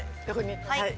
はい。